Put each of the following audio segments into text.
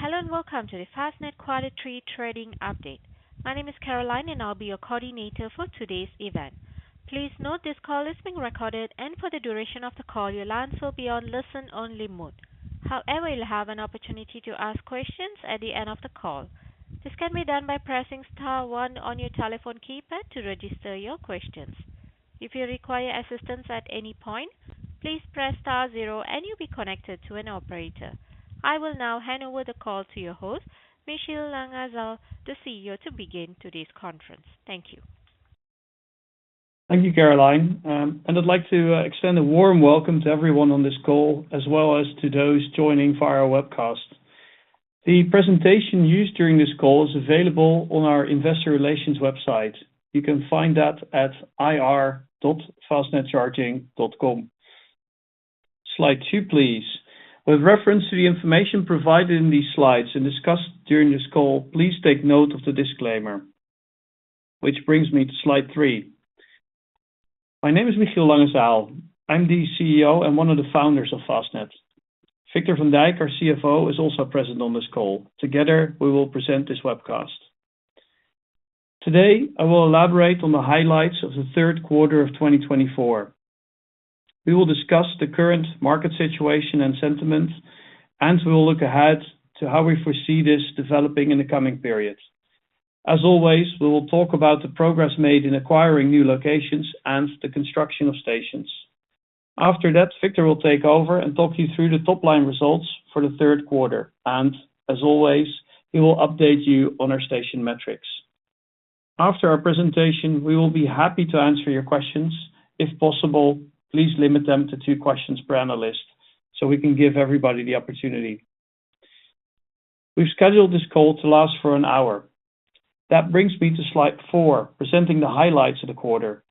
Hello, and welcome to the Fastned Quarter Three Trading Update. My name is Caroline, and I'll be your coordinator for today's event. Please note this call is being recorded, and for the duration of the call, your lines will be on listen-only mode. However, you'll have an opportunity to ask questions at the end of the call. This can be done by pressing star one on your telephone keypad to register your questions. If you require assistance at any point, please press star zero and you'll be connected to an operator. I will now hand over the call to your host, Michiel Langezaal, the CEO, to begin today's conference. Thank you. Thank you, Caroline. And I'd like to extend a warm welcome to everyone on this call, as well as to those joining via our webcast. The presentation used during this call is available on our investor relations website. You can find that at ir.fastnedcharging.com. Slide two, please. With reference to the information provided in these slides and discussed during this call, please take note of the disclaimer. Which brings me to slide three. My name is Michiel Langezaal. I'm the CEO and one of the founders of Fastned. Victor van Dijk, our CFO, is also present on this call. Together, we will present this webcast. Today, I will elaborate on the highlights of the third quarter of 2024. We will discuss the current market situation and sentiments, and we will look ahead to how we foresee this developing in the coming period. As always, we will talk about the progress made in acquiring new locations and the construction of stations. After that, Victor will take over and talk you through the top-line results for the third quarter, and as always, he will update you on our station metrics. After our presentation, we will be happy to answer your questions. If possible, please limit them to two questions per analyst, so we can give everybody the opportunity. We've scheduled this call to last for an hour. That brings me to slide four, presenting the highlights of the quarter.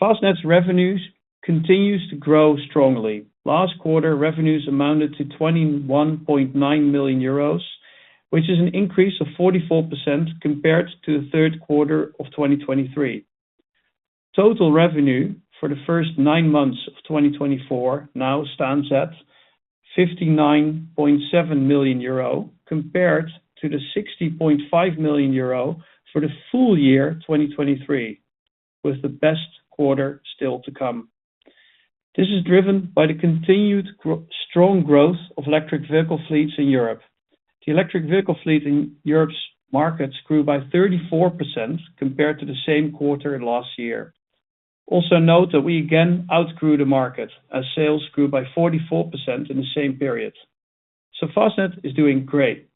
Fastned's revenues continues to grow strongly. Last quarter, revenues amounted to 21.9 million euros, which is an increase of 44% compared to the third quarter of 2023. Total revenue for the first nine months of twenty twenty-four now stands at 59.7 million euro, compared to the 60.5 million euro for the full year twenty twenty-three, with the best quarter still to come. This is driven by the continued strong growth of electric vehicle fleets in Europe. The electric vehicle fleet in Europe's markets grew by 34% compared to the same quarter last year. Also, note that we again outgrew the market, as sales grew by 44% in the same period. So Fastned is doing great.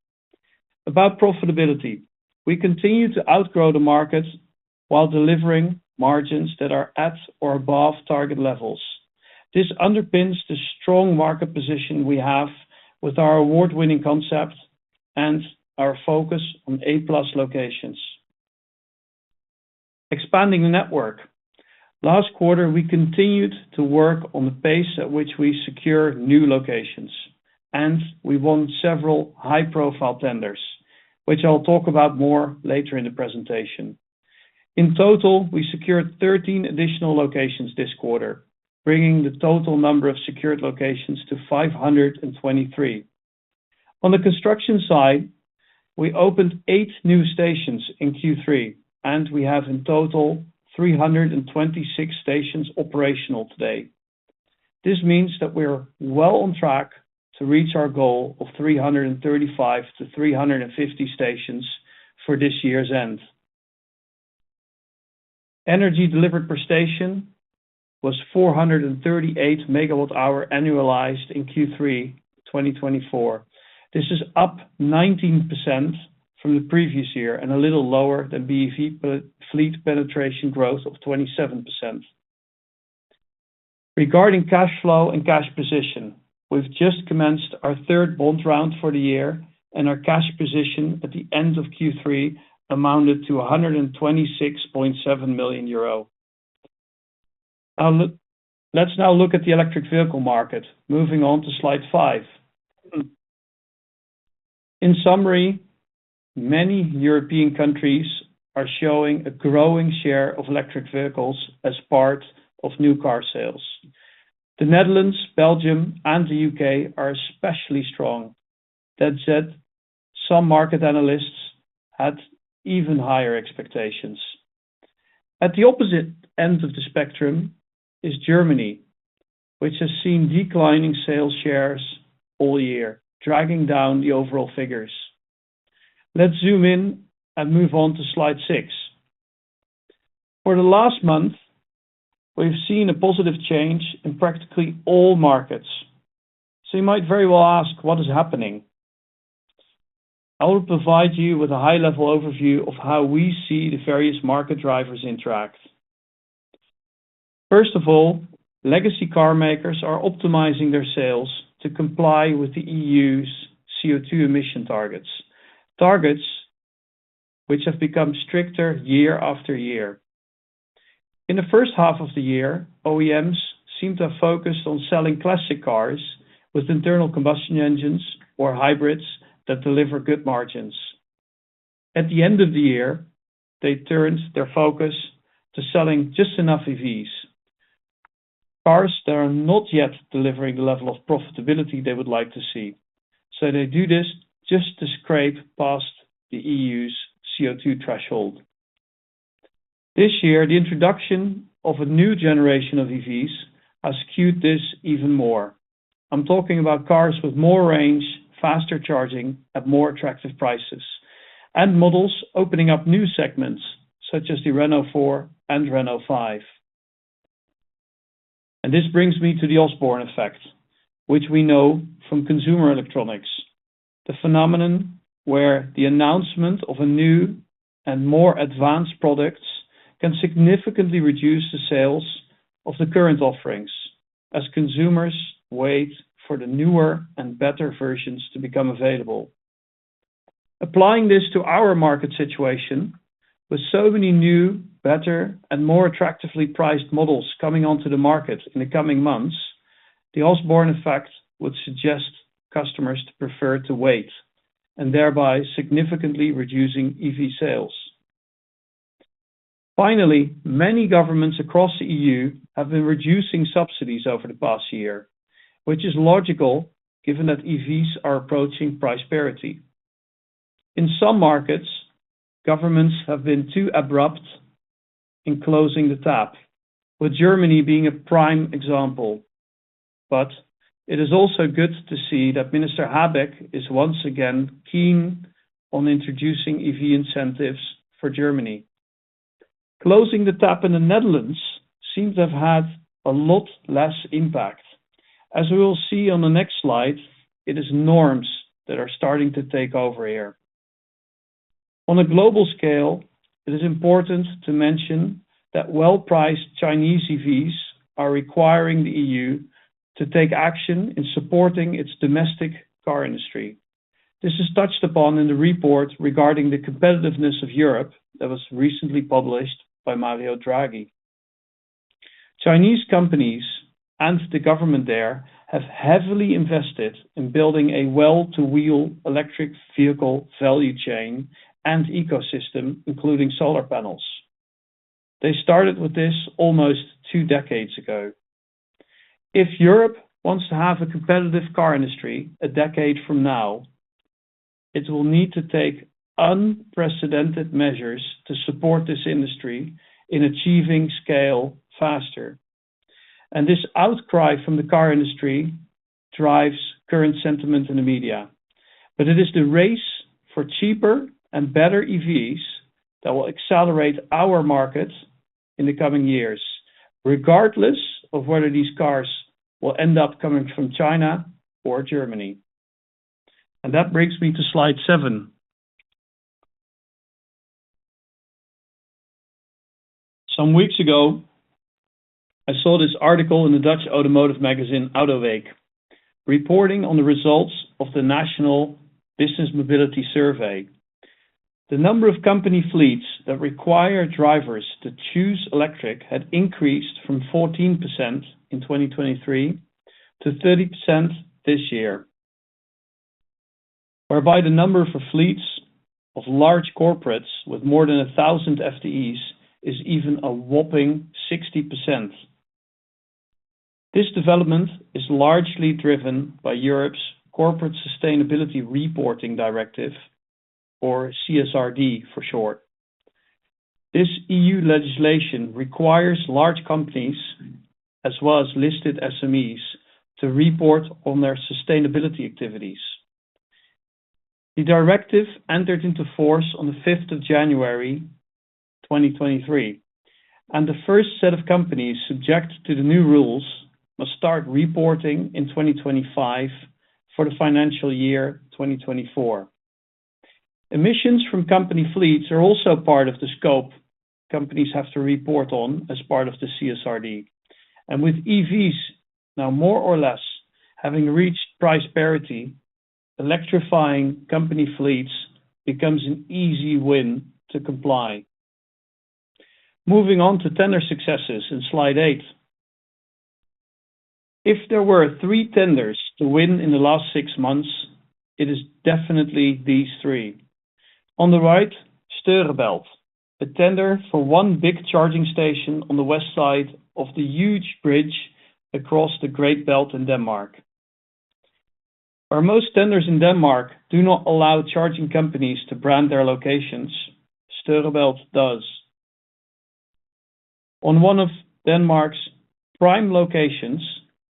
About profitability, we continue to outgrow the market while delivering margins that are at or above target levels. This underpins the strong market position we have with our award-winning concept and our focus on A-plus locations. Expanding the network. Last quarter, we continued to work on the pace at which we secure new locations, and we won several high-profile tenders, which I'll talk about more later in the presentation. In total, we secured 13 additional locations this quarter, bringing the total number of secured locations to 523. On the construction side, we opened 8 new stations in Q3, and we have in total 326 stations operational today. This means that we're well on track to reach our goal of 335 to 350 stations for this year's end. Energy delivered per station was 438 megawatt-hours, annualized in Q3, 2024. This is up 19% from the previous year and a little lower than BEV fleet penetration growth of 27%. Regarding cash flow and cash position, we've just commenced our third bond round for the year, and our cash position at the end of Q3 amounted to 126.7 million euro. Let's now look at the electric vehicle market, moving on to slide five. In summary, many European countries are showing a growing share of electric vehicles as part of new car sales. The Netherlands, Belgium, and the UK are especially strong. That said, some market analysts had even higher expectations. At the opposite end of the spectrum is Germany, which has seen declining sales shares all year, dragging down the overall figures. Let's zoom in and move on to slide six. For the last month, we've seen a positive change in practically all markets. So you might very well ask, what is happening? I will provide you with a high-level overview of how we see the various market drivers interact. First of all, legacy car makers are optimizing their sales to comply with the EU's CO2 emission targets, which have become stricter year after year. In the first half of the year, OEMs seemed to have focused on selling classic cars with internal combustion engines or hybrids that deliver good margins. At the end of the year, they turned their focus to selling just enough EVs... cars that are not yet delivering the level of profitability they would like to see. So they do this just to scrape past the EU's CO2 threshold. This year, the introduction of a new generation of EVs has skewed this even more. I'm talking about cars with more range, faster charging, at more attractive prices, and models opening up new segments such as the Renault 4 and Renault 5. And this brings me to the Osborne effect, which we know from consumer electronics. The phenomenon where the announcement of a new and more advanced products can significantly reduce the sales of the current offerings, as consumers wait for the newer and better versions to become available. Applying this to our market situation, with so many new, better, and more attractively priced models coming onto the market in the coming months, the Osborne effect would suggest customers to prefer to wait, and thereby significantly reducing EV sales. Finally, many governments across the EU have been reducing subsidies over the past year, which is logical given that EVs are approaching price parity. In some markets, governments have been too abrupt in closing the tap, with Germany being a prime example. But it is also good to see that Minister Habeck is once again keen on introducing EV incentives for Germany. Closing the tap in the Netherlands seems to have had a lot less impact. As we will see on the next slide, it is norms that are starting to take over here. On a global scale, it is important to mention that well-priced Chinese EVs are requiring the EU to take action in supporting its domestic car industry. This is touched upon in the report regarding the competitiveness of Europe that was recently published by Mario Draghi. Chinese companies and the government there have heavily invested in building a well-to-wheel electric vehicle value chain and ecosystem, including solar panels. They started with this almost two decades ago. If Europe wants to have a competitive car industry a decade from now, it will need to take unprecedented measures to support this industry in achieving scale faster. And this outcry from the car industry drives current sentiment in the media. But it is the race for cheaper and better EVs that will accelerate our markets in the coming years, regardless of whether these cars will end up coming from China or Germany. And that brings me to slide seven. Some weeks ago, I saw this article in the Dutch automotive magazine, Autoweek, reporting on the results of the National Business Mobility Survey. The number of company fleets that require drivers to choose electric had increased from 14% in 2023 to 30% this year, whereby the number of fleets of large corporates with more than 1,000 FTEs is even a whopping 60%. This development is largely driven by Europe's Corporate Sustainability Reporting Directive, or CSRD for short. This EU legislation requires large companies, as well as listed SMEs, to report on their sustainability activities. The directive entered into force on the fifth of January 2023, and the first set of companies subject to the new rules must start reporting in twenty twenty-five for the financial year twenty twenty-four. Emissions from company fleets are also part of the scope companies have to report on as part of the CSRD. And with EVs now more or less having reached price parity, electrifying company fleets becomes an easy win to comply. Moving on to tender successes in slide eight. If there were three tenders to win in the last six months, it is definitely these three. On the right, Storebælt, a tender for one big charging station on the west side of the huge bridge across the Great Belt in Denmark. Where most tenders in Denmark do not allow charging companies to brand their locations, Storebælt does. On one of Denmark's prime locations,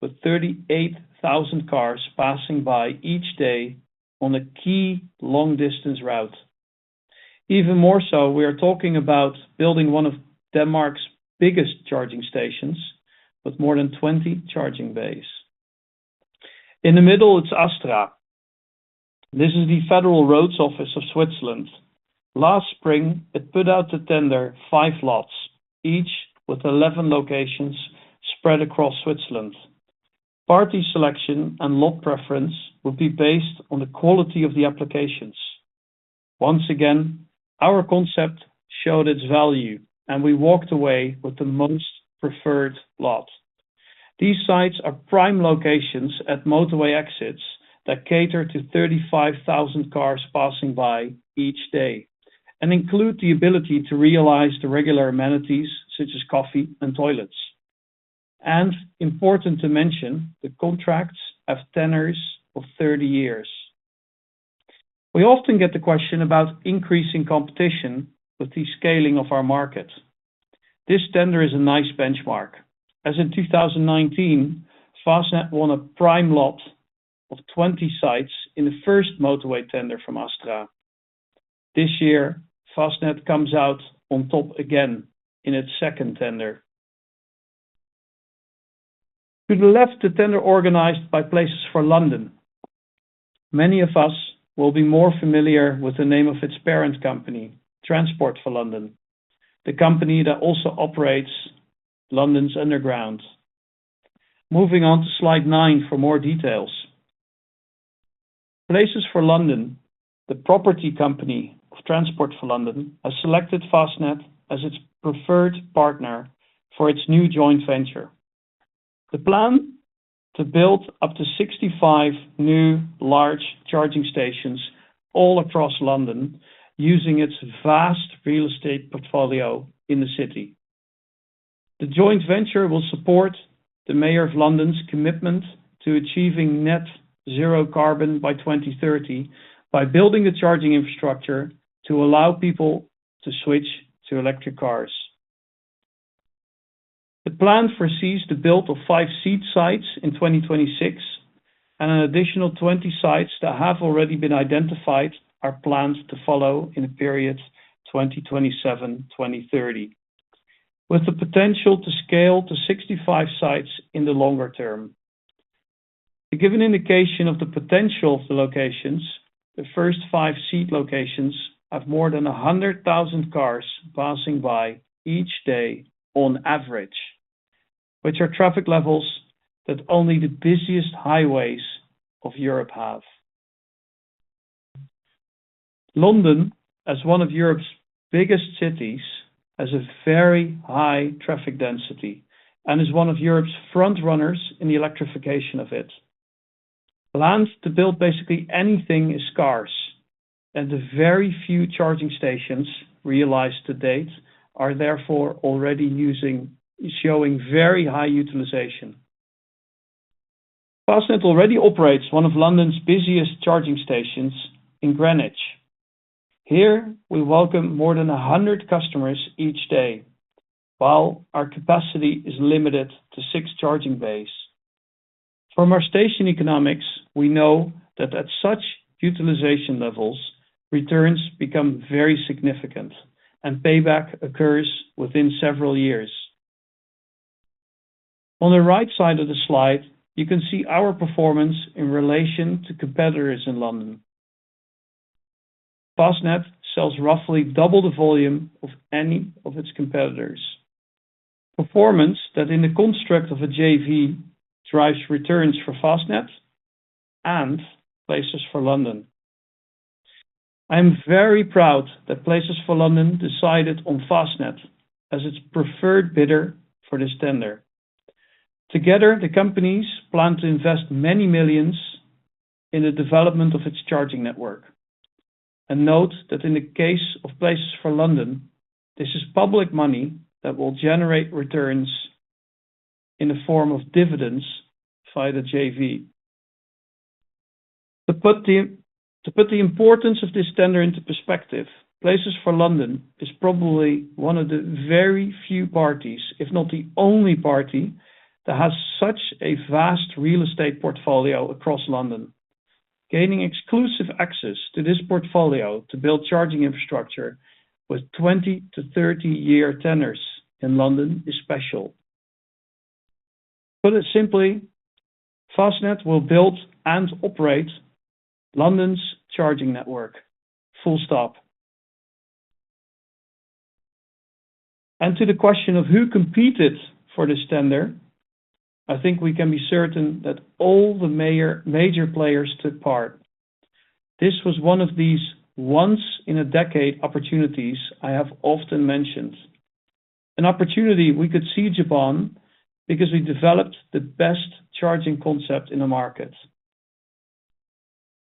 with 38,000 cars passing by each day on a key long-distance route. Even more so, we are talking about building one of Denmark's biggest charging stations, with more than 20 charging bays. In the middle, it's ASTRA. This is the Federal Roads Office of Switzerland. Last spring, it put out to tender five lots, each with 11 locations spread across Switzerland. Party selection and lot preference will be based on the quality of the applications. Once again, our concept showed its value, and we walked away with the most preferred lot. These sites are prime locations at motorway exits that cater to 35,000 cars passing by each day and include the ability to realize the regular amenities, such as coffee and toilets. Important to mention, the contracts have tenures of 30 years. We often get the question about increasing competition with the scaling of our market. This tender is a nice benchmark, as in 2019, Fastned won a prime lot of 20 sites in the first motorway tender from ASTRA. This year, Fastned comes out on top again in its second tender. To the left, the tender organized by Places for London. Many of us will be more familiar with the name of its parent company, Transport for London, the company that also operates London's Underground. Moving on to slide 9 for more details. Places for London, the property company of Transport for London, has selected Fastned as its preferred partner for its new joint venture. The plan: to build up to 65 new large charging stations all across London, using its vast real estate portfolio in the city. The joint venture will support the Mayor of London's commitment to achieving net zero carbon by 2030, by building the charging infrastructure to allow people to switch to electric cars. The plan foresees the build of five sites in 2026, and an additional 20 sites that have already been identified, are planned to follow in the period 2027-2030, with the potential to scale to 65 sites in the longer term. To give an indication of the potential of the locations, the first five site locations have more than 100,000 cars passing by each day on average, which are traffic levels that only the busiest highways of Europe have. London, as one of Europe's biggest cities, has a very high traffic density and is one of Europe's front runners in the electrification of it. Plans to build basically anything, space is scarce, and the very few charging stations realized to date are therefore already showing very high utilization. Fastned already operates one of London's busiest charging stations in Greenwich. Here, we welcome more than 100 customers each day, while our capacity is limited to six charging bays. From our station economics, we know that at such utilization levels, returns become very significant and payback occurs within several years. On the right side of the slide, you can see our performance in relation to competitors in London. Fastned sells roughly double the volume of any of its competitors. Performance that in the construct of a JV, drives returns for Fastned and Places for London. I'm very proud that Places for London decided on Fastned as its preferred bidder for this tender. Together, the companies plan to invest many millions in the development of its charging network. Note that in the case of Places for London, this is public money that will generate returns in the form of dividends via the JV. To put the importance of this tender into perspective, Places for London is probably one of the very few parties, if not the only party, that has such a vast real estate portfolio across London. Gaining exclusive access to this portfolio to build charging infrastructure with 20- to 30-year tenures in London is special. Put it simply, Fastned will build and operate London's charging network, full stop. To the question of who competed for this tender, I think we can be certain that all the major players took part. This was one of these once in a decade opportunities I have often mentioned. An opportunity we could seize upon because we developed the best charging concept in the market.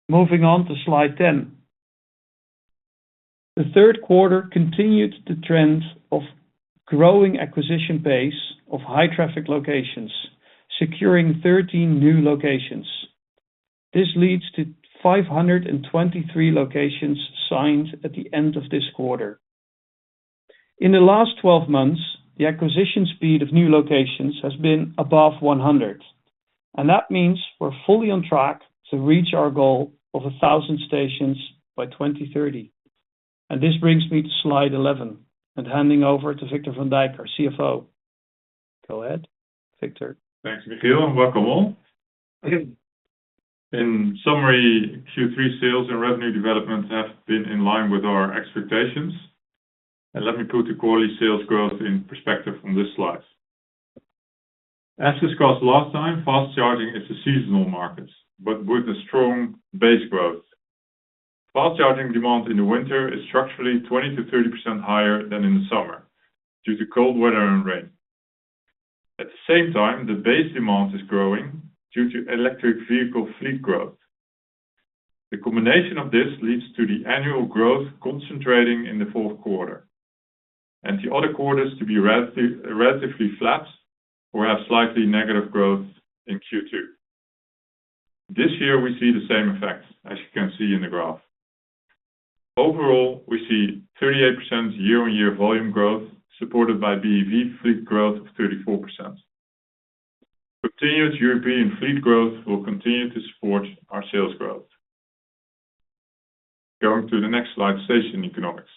Moving on to slide 10. The third quarter continued the trend of growing acquisition base of high traffic locations, securing 13 new locations. This leads to 523 locations signed at the end of this quarter. In the last 12 months, the acquisition speed of new locations has been above 100, and that means we're fully on track to reach our goal of 1,000 stations by 2030. And this brings me to slide 11 and handing over to Victor van Dijk, our CFO. Go ahead, Victor. Thanks, Michiel, and welcome all. In summary, Q3 sales and revenue developments have been in line with our expectations. And let me put the quarterly sales growth in perspective on this slide. As discussed last time, fast charging is a seasonal market, but with a strong base growth. Fast charging demand in the winter is structurally 20%-30% higher than in the summer due to cold weather and rain... At the same time, the base demand is growing due to electric vehicle fleet growth. The combination of this leads to the annual growth concentrating in the fourth quarter, and the other quarters to be relatively, relatively flat or have slightly negative growth in Q2. This year, we see the same effect, as you can see in the graph. Overall, we see 38% year-on-year volume growth, supported by BEV fleet growth of 34%. Continued European fleet growth will continue to support our sales growth. Going to the next slide, station economics.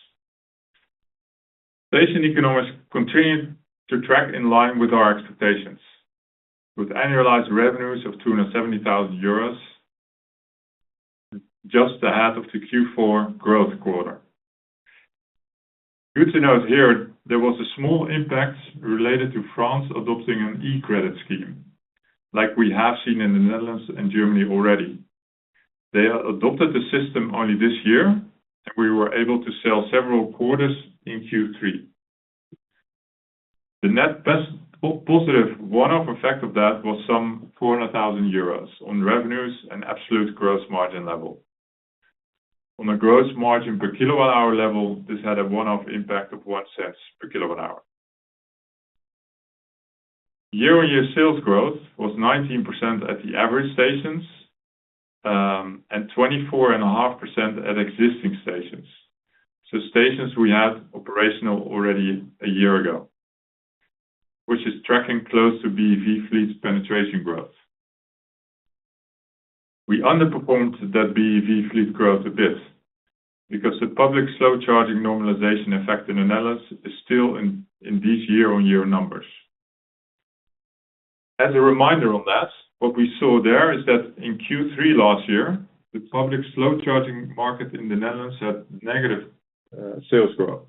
Station economics continue to track in line with our expectations, with annualized revenues of 270,000 euros, just the half of the Q4 growth quarter. Good to note here, there was a small impact related to France adopting an e-credit scheme, like we have seen in the Netherlands and Germany already. They adopted the system only this year, and we were able to sell several quarters in Q3. The net positive one-off effect of that was some 400,000 euros on revenues and absolute gross margin level. On a gross margin per kilowatt-hour level, this had a one-off impact of 1 cent per kilowatt-hour. Year-on-year sales growth was 19% at the average stations, and 24.5% at existing stations. So stations we had operational already a year ago, which is tracking close to BEV fleet penetration growth. We underperformed that BEV fleet growth a bit because the public slow charging normalization effect in the Netherlands is still in these year-on-year numbers. As a reminder on that, what we saw there is that in Q3 last year, the public slow charging market in the Netherlands had negative sales growth,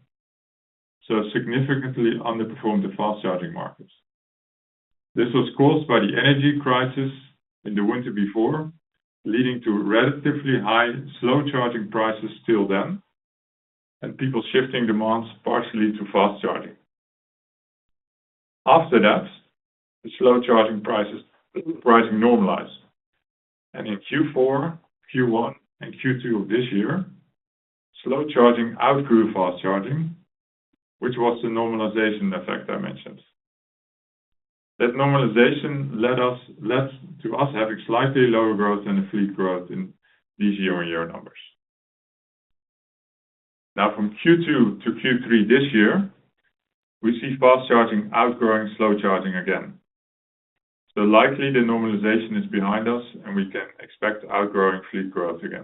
so significantly underperformed the fast charging markets. This was caused by the energy crisis in the winter before, leading to relatively high slow charging prices still then, and people shifting demands partially to fast charging. After that, the slow charging prices, pricing normalized, and in Q4, Q1, and Q2 of this year, slow charging outgrew fast charging, which was the normalization effect I mentioned. That normalization led to us having slightly lower growth than the fleet growth in these year-on-year numbers. Now, from Q2 to Q3 this year, we see fast charging outgrowing slow charging again. So likely the normalization is behind us, and we can expect outgrowing fleet growth again.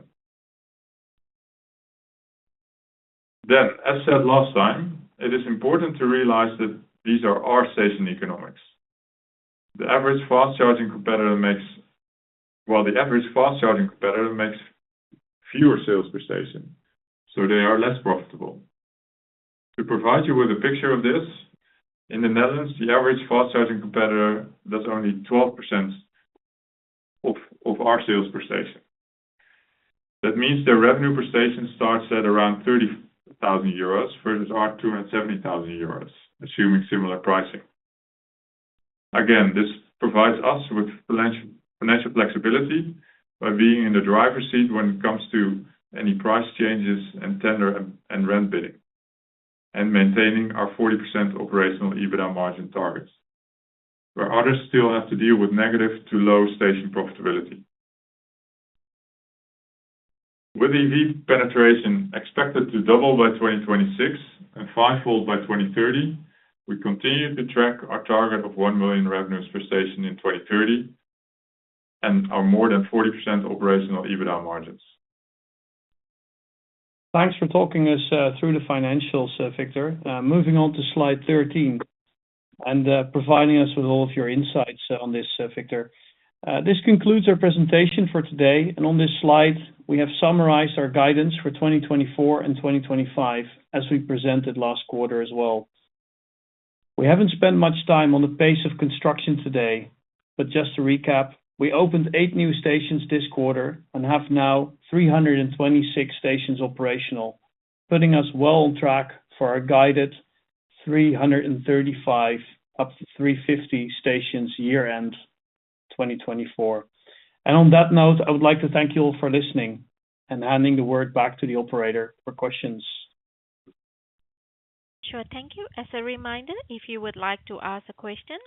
Then, as said last time, it is important to realize that these are our station economics. The average fast charging competitor makes fewer sales per station, so they are less profitable. To provide you with a picture of this, in the Netherlands, the average fast charging competitor does only 12% of our sales per station. That means their revenue per station starts at around 30,000 euros, versus our 270,000, assuming similar pricing. Again, this provides us with financial flexibility by being in the driver's seat when it comes to any price changes and tender and rent bidding, and maintaining our 40% operational EBITDA margin targets, where others still have to deal with negative to low station profitability. With EV penetration expected to double by 2026 and fivefold by 2030, we continue to track our target of 1 million revenues per station in 2030 and our more than 40% operational EBITDA margins. Thanks for talking us through the financials, Victor. Moving on to slide 13, and providing us with all of your insights on this, Victor. This concludes our presentation for today, and on this slide, we have summarized our guidance for 2024 and 2025, as we presented last quarter as well. We haven't spent much time on the pace of construction today, but just to recap, we opened eight new stations this quarter and have now 326 stations operational, putting us well on track for our guided 335-350 stations, year-end 2024. And on that note, I would like to thank you all for listening and handing the word back to the operator for questions. Sure. Thank you. As a reminder, if you would like to ask a question,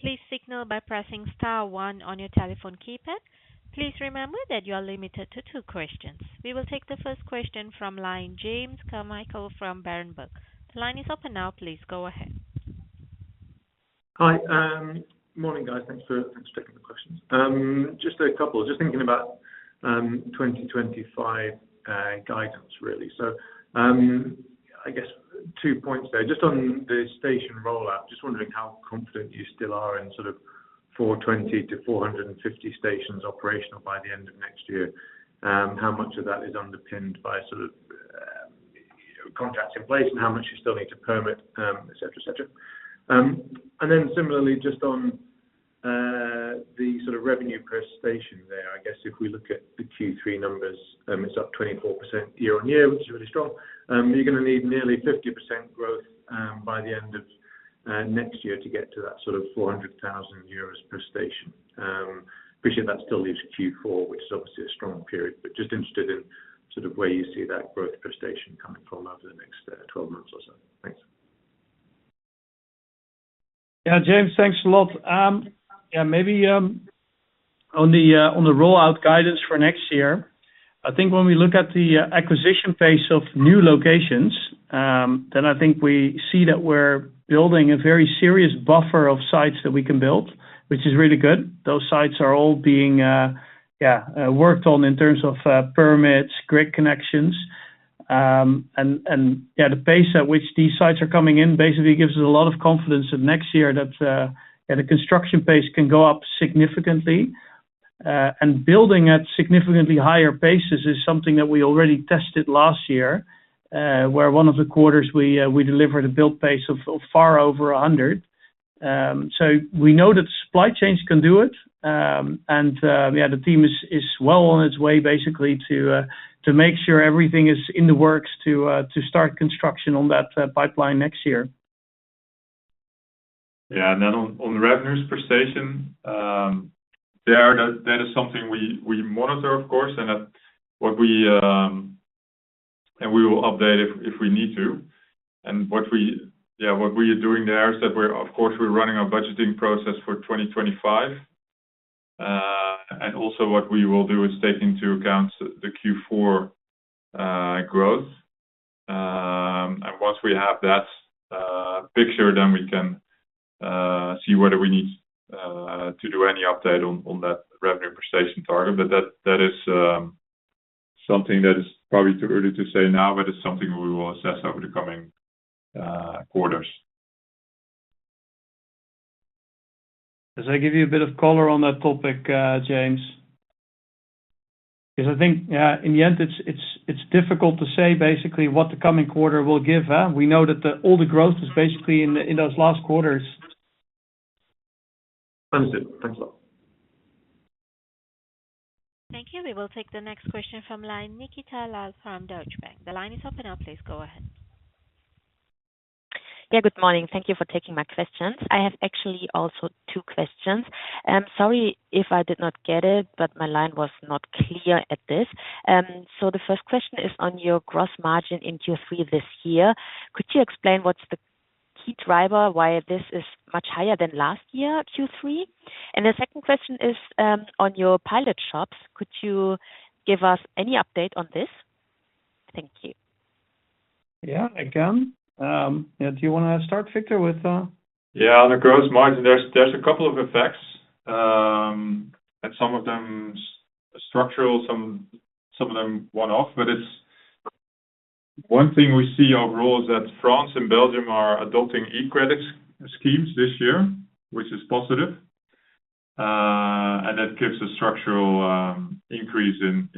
please signal by pressing star one on your telephone keypad. Please remember that you are limited to two questions. We will take the first question from line, James Carmichael from Berenberg. The line is open now. Please go ahead. Hi. Morning, guys. Thanks for taking the questions. Just a couple, just thinking about 2025 guidance, really. So, I guess two points there. Just on the station rollout, just wondering how confident you still are in sort of 420-450 stations operational by the end of next year? How much of that is underpinned by sort of contracts in place, and how much you still need to permit, et cetera, et cetera. And then similarly, just on sort of revenue per station there, I guess if we look at the Q3 numbers, it's up 24% year-on-year, which is really strong. You're gonna need nearly 50% growth by the end of next year to get to that sort of 400,000 euros per station. Appreciate that still leaves Q4, which is obviously a strong period, but just interested in sort of where you see that growth per station coming from over the next twelve months or so. Thanks. Yeah, James, thanks a lot. Yeah, maybe on the rollout guidance for next year, I think when we look at the acquisition phase of new locations, then I think we see that we're building a very serious buffer of sites that we can build, which is really good. Those sites are all being worked on in terms of permits, grid connections. And the pace at which these sites are coming in basically gives us a lot of confidence that next year the construction pace can go up significantly. And building at significantly higher paces is something that we already tested last year, where one of the quarters we delivered a build pace of far over 100. So we know that supply chains can do it. Yeah, the team is well on its way, basically, to make sure everything is in the works to start construction on that pipeline next year. Yeah, and then on the revenues per station, that is something we monitor, of course, and we will update if we need to. And what we are doing there is that we're running our budgeting process for 2025. And also what we will do is take into account the Q4 growth. And once we have that picture, then we can see whether we need to do any update on that revenue per station target. But that is something that is probably too early to say now, but it's something we will assess over the coming quarters. Does that give you a bit of color on that topic, James? 'Cause I think, in the end, it's difficult to say basically what the coming quarter will give, huh? We know that all the growth is basically in those last quarters. Understood. Thanks a lot. Thank you. We will take the next question from the line of Nikita Lal from Deutsche Bank. The line is open now. Please go ahead. Yeah, good morning. Thank you for taking my questions. I have actually also two questions. I'm sorry if I did not get it, but my line was not clear at this. So the first question is on your gross margin in Q3 this year. Could you explain what's the key driver, why this is much higher than last year, Q3? And the second question is on your pilot shops. Could you give us any update on this? Thank you. Yeah, I can. Yeah, do you wanna start, Victor, with- Yeah, on the gross margin, there's a couple of effects, and some of them structural, some of them one-off. One thing we see overall is that France and Belgium are adopting e-credit schemes this year, which is positive. And that gives a structural increase in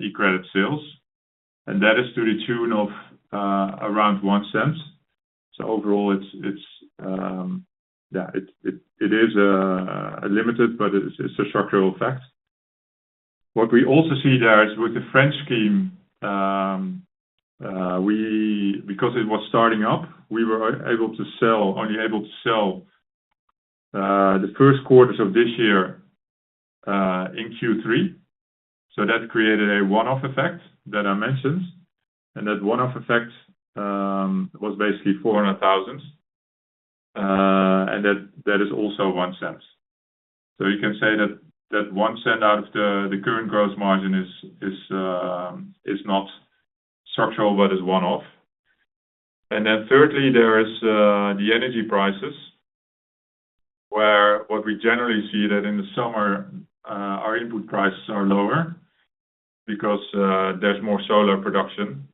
e-credit sales, and that is to the tune of around EUR 0.01. So overall, it's yeah, it is limited, but it's a structural effect. What we also see there is with the French scheme, because it was starting up, we were only able to sell the first quarters of this year in Q3. So that created a one-off effect that I mentioned, and that one-off effect was basically 400,000. And that is also 0.01. So you can say that one cent out of the current gross margin is not structural, but is one-off. And then thirdly, there is the energy prices, where what we generally see that in the summer our input prices are lower because there's more solar production,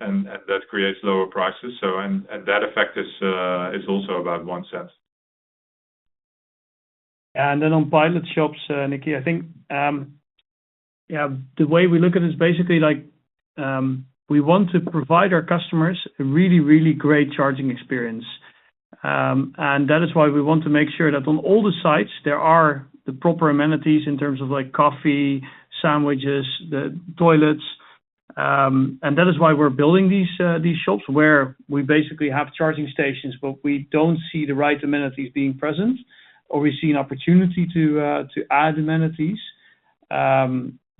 and that creates lower prices. And that effect is also about one cent. And then on pilot shops, Nikki, I think, yeah, the way we look at it is basically like we want to provide our customers a really, really great charging experience. And that is why we want to make sure that on all the sites, there are the proper amenities in terms of, like, coffee, sandwiches, the toilets. And that is why we're building these shops where we basically have charging stations, but we don't see the right amenities being present, or we see an opportunity to add amenities.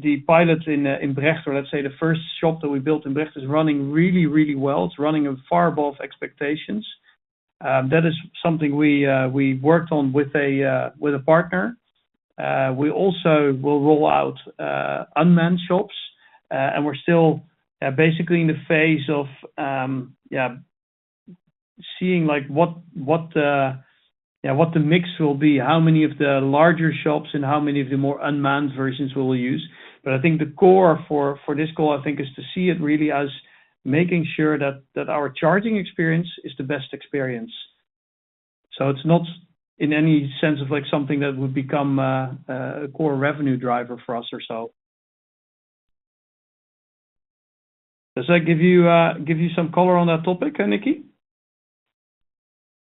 The pilot in Brecht, let's say the first shop that we built in Brecht, is running really, really well. It's running far above expectations. That is something we worked on with a partner. We also will roll out unmanned shops, and we're still basically in the phase of seeing, like, what the mix will be, how many of the larger shops and how many of the more unmanned versions we will use. But I think the core for this goal is to see it really as making sure that our charging experience is the best experience. So it's not in any sense of, like, something that would become a core revenue driver for us or so. Does that give you some color on that topic, Nikki?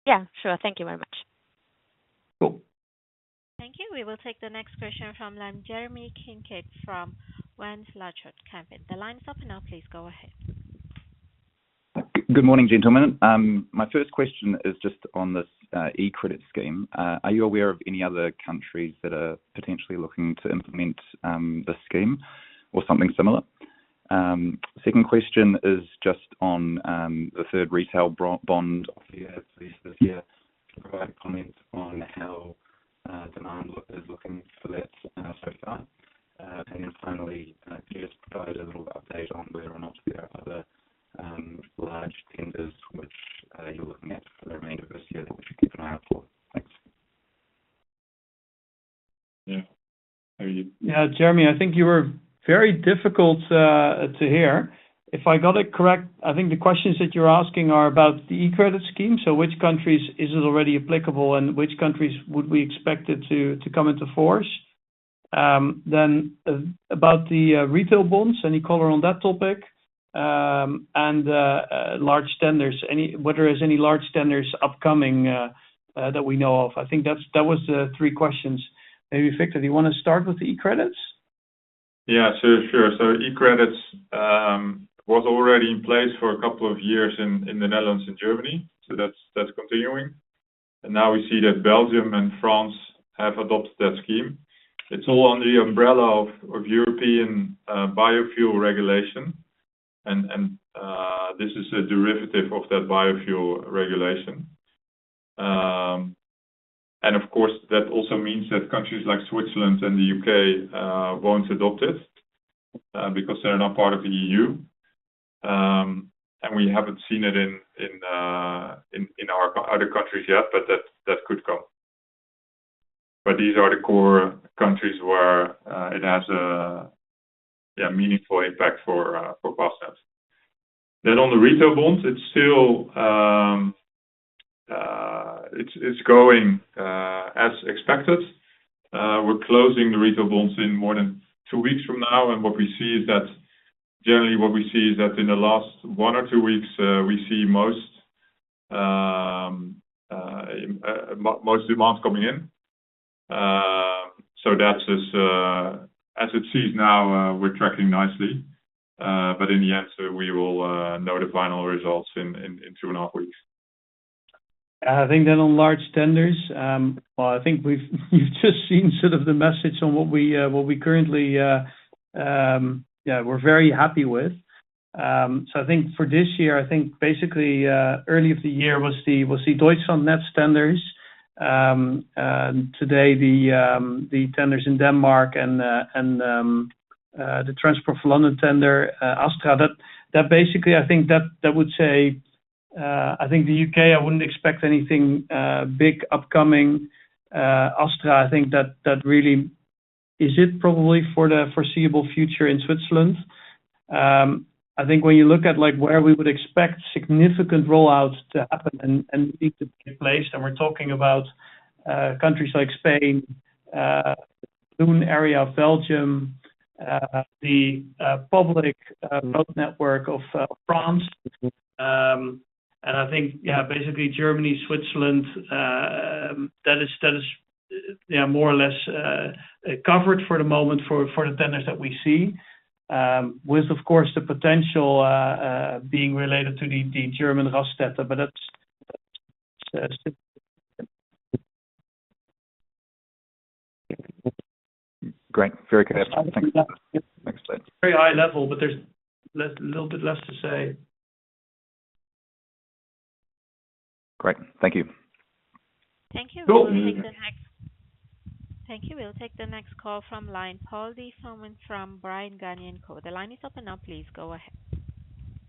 Yeah, sure. Thank you very much. Cool. Thank you. We will take the next question from line, Jeremy Kincaid, from Van Lanschot Kempen. The line is open now, please go ahead. Good morning, gentlemen. My first question is just on this e-credit scheme. Are you aware of any other countries that are potentially looking to implement this scheme or something similar? Second question is just on the third retail bond of the year, this year. Provide comments on how demand is looking for that so far. And then finally, can you just provide a little update on whether or not there are other large tenders which you're looking at for the remainder of this year that we should keep an eye out for? Thanks. Yeah. How are you? Yeah, Jeremy, I think you were very difficult to hear. If I got it correct, I think the questions that you're asking are about the E-credit scheme. So which countries is it already applicable, and which countries would we expect it to come into force? Then about the retail bonds, any color on that topic? And large tenders, whether there is any large tenders upcoming that we know of? I think that was the three questions. Maybe, Victor, do you want to start with the e-credits? Yeah, sure, sure. So e-credits was already in place for a couple of years in the Netherlands and Germany, so that's continuing. And now we see that Belgium and France have adopted that scheme. It's all under the umbrella of European biofuel regulation, and this is a derivative of that biofuel regulation. And of course, that also means that countries like Switzerland and the U.K. won't adopt it because they're not part of the EU. And we haven't seen it in other countries yet, but that could come. But these are the core countries where it has a meaningful impact for Fastned. Then on the retail bonds, it's still, it's going as expected. We're closing the retail bonds in more than two weeks from now, and what we see is that... Generally, what we see is that in the last one or two weeks, we see most demands coming in. So that is, as it seems now, we're tracking nicely. But in the end, so we will know the final results in two and a half weeks. I think then on large tenders, well, I think we've just seen sort of the message on what we currently, yeah, we're very happy with. So I think for this year, I think basically, early of the year was the Deutschlandnetz tenders. And today, the tenders in Denmark and the Transport for London tender, ASTRA. That basically, I think that would say, I think the U.K., I wouldn't expect anything big upcoming. ASTRA, I think that really is it probably for the foreseeable future in Switzerland. I think when you look at, like, where we would expect significant rollouts to happen and need to be in place, then we're talking about countries like Spain, Boom area of Belgium, the public road network of France. And I think, yeah, basically Germany, Switzerland, that is, yeah, more or less covered for the moment for the tenders that we see. With, of course, the potential being related to the German Raststätte, but that's still. Great. Very clear. Yeah. Thanks. Thanks. Very high level, but there's little bit less to say. Great. Thank you. Thank you. Cool. Thank you. We'll take the next call from line, Paul de Froment from Bryan, Garnier & Co. The line is open now. Please go ahead.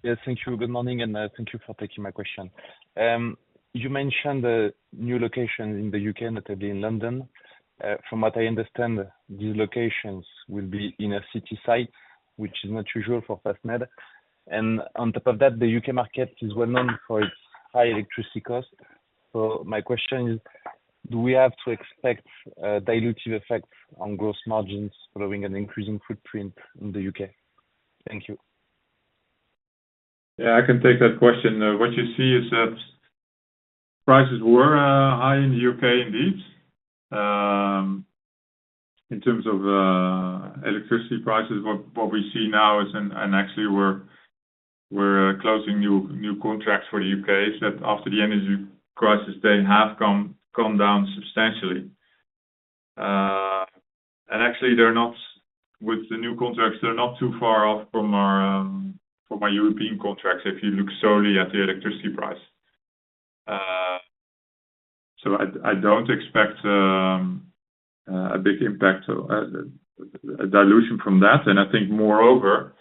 Yes, thank you. Good morning, and thank you for taking my question. You mentioned the new location in the U.K., and notably in London. From what I understand, these locations will be in a city site, which is not usual for Fastned. And on top of that, the U.K. market is well known for its high electricity cost. So my question is, do we have to expect a dilutive effect on gross margins following an increasing footprint in the U.K.? Thank you. Yeah, I can take that question. What you see is that prices were high in the U.K. indeed. In terms of electricity prices, what we see now is, and actually we're closing new contracts for the U.K., that after the energy crisis they have come down substantially, and actually, with the new contracts, they're not too far off from our European contracts if you look solely at the electricity price, so I don't expect a big impact or a dilution from that. I think moreover,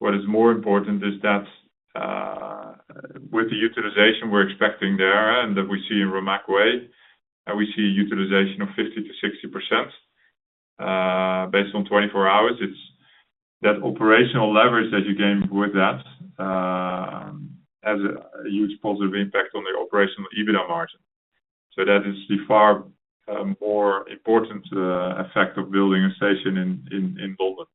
what is more important is that, with the utilization we're expecting there, and that we see in Roermond, and we see utilization of 50%-60%, based on 24 hours, it's that operational leverage that you gain with that, has a huge positive impact on the operational EBITDA margin. So that is the far more important effect of building a station in Dublin.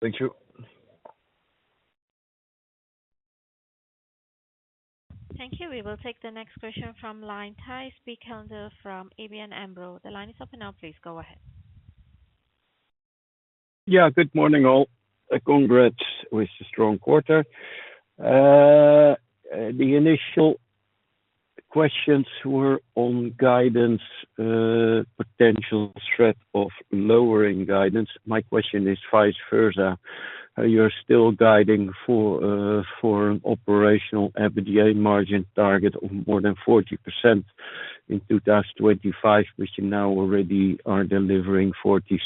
Thank you. Thank you. We will take the next question from line, Thijs Berkelder from ABN AMRO. The line is open now, please go ahead. Yeah, good morning, all. Congrats with the strong quarter. The initial questions were on guidance, potential threat of lowering guidance. My question is vice versa. You're still guiding for an operational EBITDA margin target of more than 40% in two thousand and twenty-five, which you now already are delivering 46%.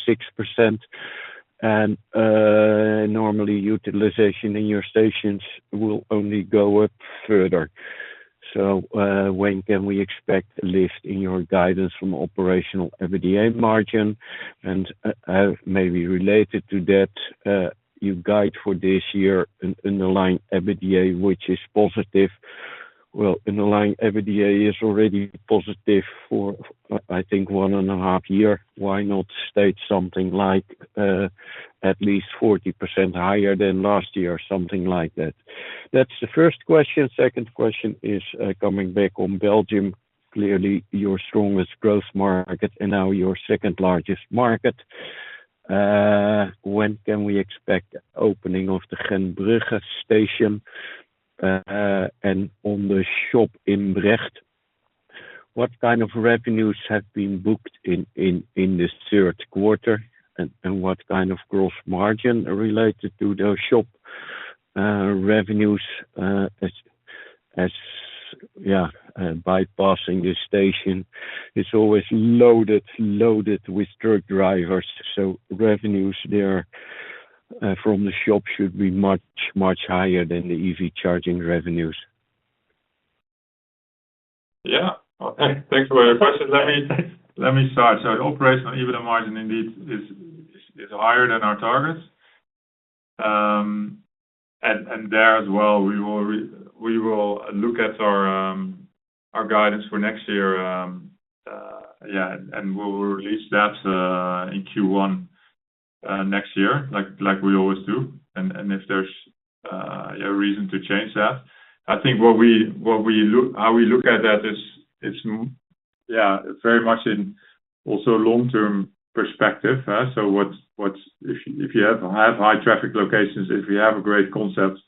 And normally, utilization in your stations will only go up further. So when can we expect a lift in your guidance from operational EBITDA margin? And maybe related to that, you guide for this year in-line EBITDA, which is positive. Well, in-line EBITDA is already positive for, I think, one and a half year. Why not state something like at least 40% higher than last year or something like that? That's the first question. Second question is, coming back on Belgium, clearly your strongest growth market and now your second largest market. When can we expect opening of the Gentbrugge station, and on the shop in Brecht, what kind of revenues have been booked in this third quarter? And what kind of gross margin are related to the shop revenues, as yeah, and bypassing this station, it's always loaded with truck drivers. So revenues there from the shop should be much higher than the EV charging revenues. Yeah. Okay, thanks for your question. Let me start. So operational EBITDA margin indeed is higher than our targets. And there as well, we will look at our guidance for next year. Yeah, and we will release that in Q1 next year, like we always do, and if there's a reason to change that. I think what we look at that is, it's yeah, very much in also long-term perspective, huh? So what's... If you have high traffic locations, if you have a great concept,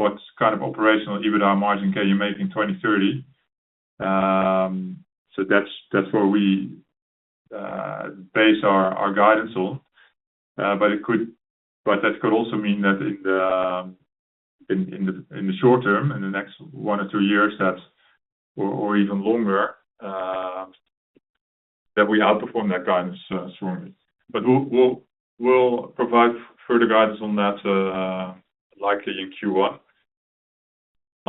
what kind of operational EBITDA margin can you make in 2030? So that's where we base our guidance on. But that could also mean that in the short term, in the next one or two years, or even longer, that we outperform that guidance strongly. But we'll provide further guidance on that, likely in Q1.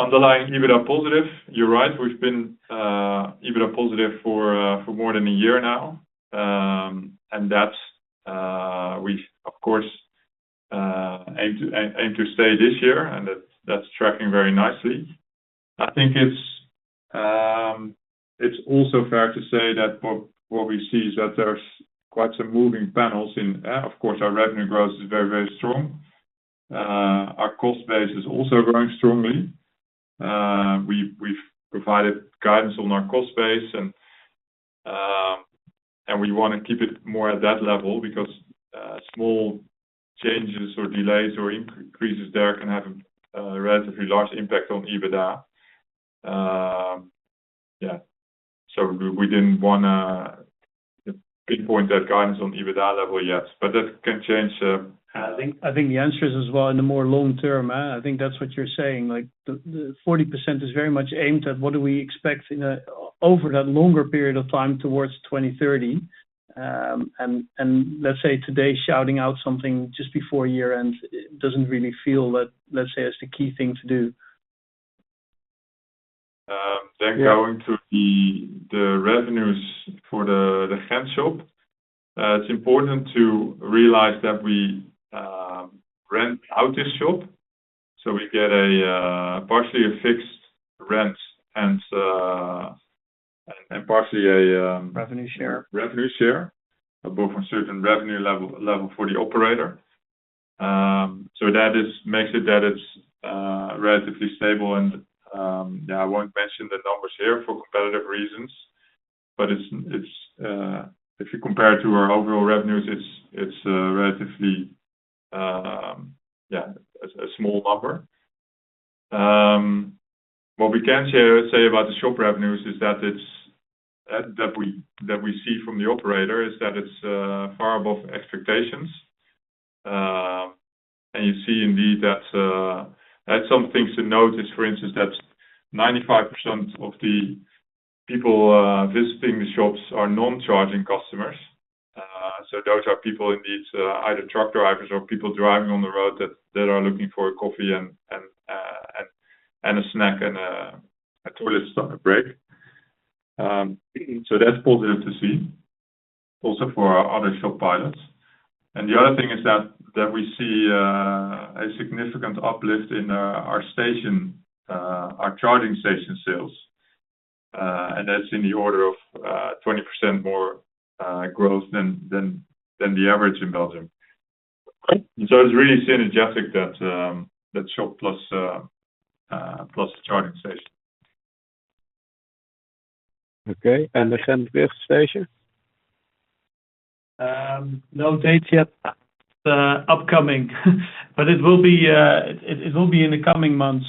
Underlying EBITDA positive, you're right, we've been EBITDA positive for more than a year now. And that's, we of course aim to stay this year, and that's tracking very nicely. I think it's also fair to say that what we see is that there's quite some moving parts in, of course, our revenue growth is very strong. Our cost base is also growing strongly. We've provided guidance on our cost base and we want to keep it more at that level because small changes or delays or increases there can have a relatively large impact on EBITDA. So we didn't wanna pinpoint that guidance on EBITDA level yet, but that can change. I think the answer is as well, in the more long term, I think that's what you're saying. Like, the 40% is very much aimed at what do we expect in a over that longer period of time, towards 2030. And let's say, today, shouting out something just before year-end, it doesn't really feel that, let's say, is the key thing to do. Then going to the revenues for the Ghent shop. It's important to realize that we rent out this shop, so we get partially a fixed rent and partially a Revenue share. Revenue share, above a certain revenue level for the operator. So that is makes it that it's relatively stable and yeah, I won't mention the numbers here for competitive reasons, but it's if you compare it to our overall revenues, it's relatively yeah a small number. What we can share say about the shop revenues is that it's that we see from the operator is that it's far above expectations. And you see indeed that some things to notice, for instance, that 95% of the people visiting the shops are non-charging customers. So those are people indeed either truck drivers or people driving on the road that are looking for a coffee and a snack and a toilet stop, a break. So that's positive to see, also for our other shop pilots. And the other thing is that we see a significant uplift in our station, our charging station sales. And that's in the order of 20% more growth than the average in Belgium. So it's really synergetic that shop plus the charging station. Okay, and the Gentbrugge station? No date yet, upcoming, but it will be in the coming months.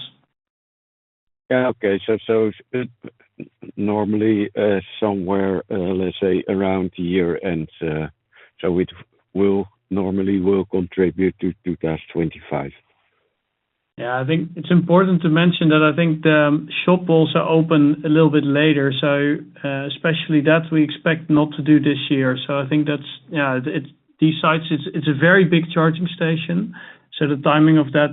Yeah. Okay. So, normally, somewhere, let's say around year-end, so it will normally contribute to 2025? Yeah, I think it's important to mention that I think the shop will also open a little bit later, so especially that we expect not to do this year. So I think that's, yeah, it's... These sites, it's a very big charging station, so the timing of that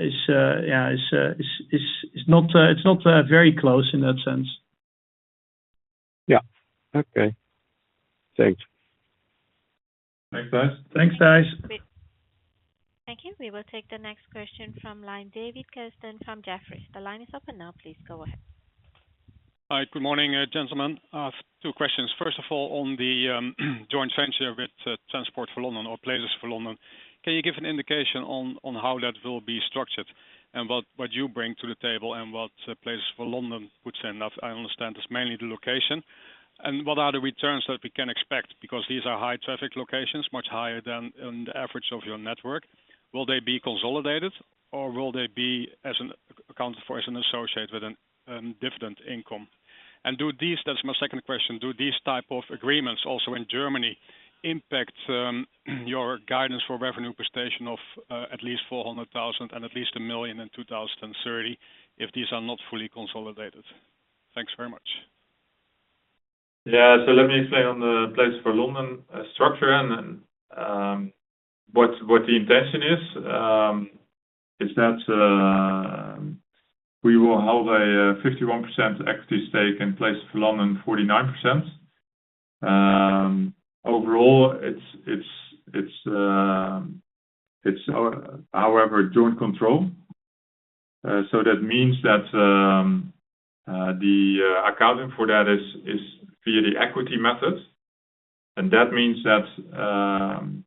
is, yeah, is not. It's not very close in that sense. Yeah. Okay. Thanks. Thanks, guys. Thanks, guys. Thank you. We will take the next question from line, David Kerstens from Jefferies. The line is open now, please go ahead. Hi, good morning, gentlemen. I have two questions. First of all, on the joint venture with Transport for London or Places for London, can you give an indication on how that will be structured and what you bring to the table, and what Places for London would send off? I understand it's mainly the location. And what are the returns that we can expect? Because these are high traffic locations, much higher than the average of your network. Will they be consolidated, or will they be accounted for as an associate with dividend income? And do these... That's my second question: Do these type of agreements, also in Germany, impact your guidance for revenue per station of at least 400,000 and at least 1 million in 2030, if these are not fully consolidated? Thanks very much. Yeah, so let me explain on the Places for London structure, and then what the intention is. Is that we will hold a 51% equity stake and Places for London 49%. Overall, it's our joint control. So that means that the accounting for that is via the equity method, and that means that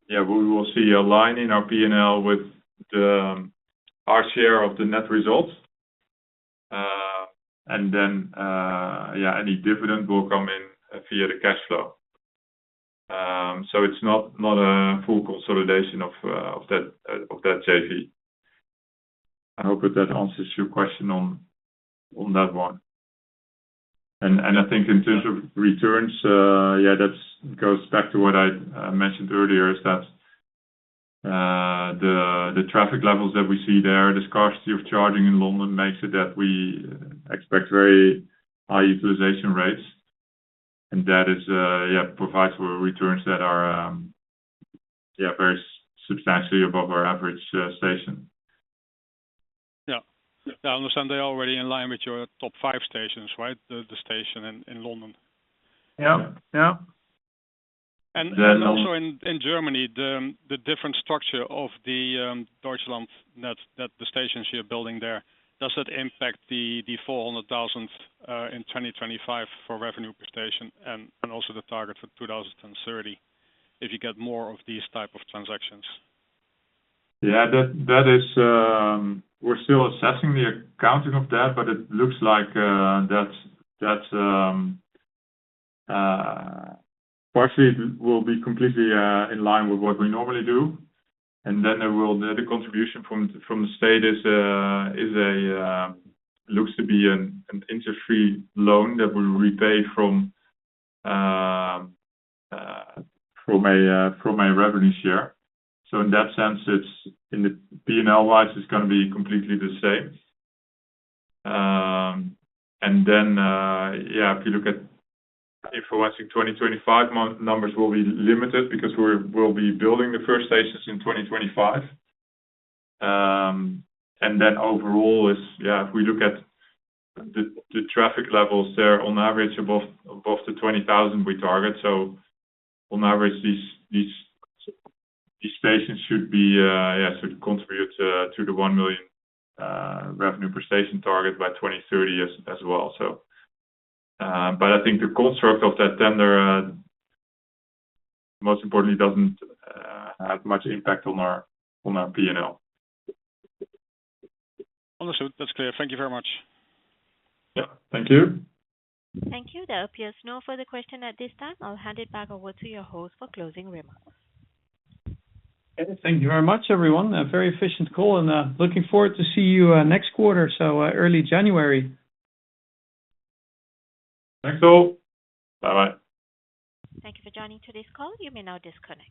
yeah, we will see a line in our P&L with our share of the net results. And then yeah, any dividend will come in via the cash flow. So it's not a full consolidation of that JV. I hope that answers your question on that one. I think in terms of returns, that goes back to what I mentioned earlier. That is, the traffic levels that we see there, the scarcity of charging in London makes it that we expect very high utilization rates, and that provides for returns that are very substantially above our average station. Yeah. I understand they're already in line with your top five stations, right? The station in London. Yeah. Yeah. Also in Germany, the different structure of the Deutschlandnetz stations you're building there, does it impact the 400,000 in 2025 for revenue per station and also the target for 2030, if you get more of these type of transactions? Yeah, that is. We're still assessing the accounting of that, but it looks like that partially will be completely in line with what we normally do. And then the contribution from the state is a looks to be an interest-free loan that will repay from a revenue share. So in that sense, it's in the P&L wise, it's gonna be completely the same. And then if you look at if we're watching 2025 month, numbers will be limited because we'll be building the first stations in 2025. And then overall is if we look at the traffic levels there, on average above the 20,000 we target. So on average, these stations should contribute to the one million revenue per station target by 2030 as well. But I think the construct of that tender, most importantly, doesn't have much impact on our P&L. Understood. That's clear. Thank you very much. Yeah. Thank you. Thank you. There appears no further question at this time. I'll hand it back over to your host for closing remarks. Okay. Thank you very much, everyone. A very efficient call, and, looking forward to see you, next quarter, so, early January. Thanks all. Bye-bye. Thank you for joining today's call. You may now disconnect.